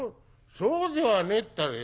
「そうではねえったらよ。